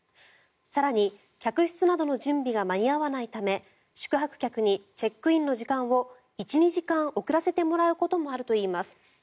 更に、客室などの準備が間に合わないため宿泊客にチェックインの時間を１２時間遅らせてもらうこともあるといいます。